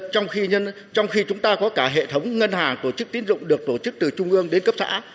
trong khi trong khi chúng ta có cả hệ thống ngân hàng tổ chức tín dụng được tổ chức từ trung ương đến cấp xã